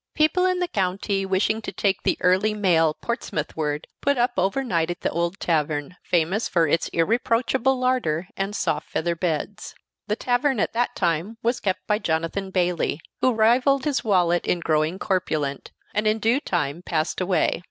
People in the county, wishing to take the early mail Portsmouth ward, put up over night at the old tavern, famous for its irreproachable larder and soft feather beds. The tavern at that time was kept by Jonathan Bayley, who rivaled his wallet in growing corpulent, and in due time passed away.